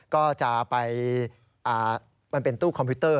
ก็จะไปมันเป็นตู้คอมพิวเตอร์